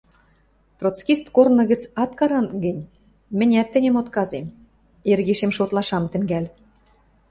«Троцкист корны гӹц ат каранг гӹнь, мӹнят тӹньӹм отказем, эргешем шотлаш ам тӹнгӓл».